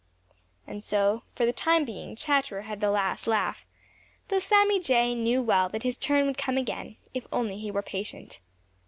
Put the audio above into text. And so for the time being Chatterer had the last laugh, though Sammy Jay knew well that his turn would come again, if only he were patient.